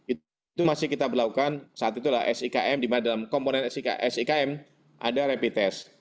itu masih kita berlakukan saat itulah sikm di mana dalam komponen sikm ada rapid test